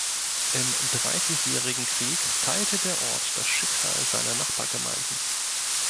Im Dreißigjährigen Krieg teilte der Ort das Schicksal seiner Nachbargemeinden.